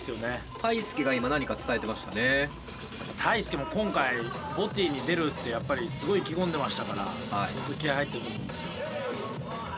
ＴＡＩＳＵＫＥも今回ＢＯＴＹに出るってやっぱりすごい意気込んでましたから相当気合い入ってると思うんですよ。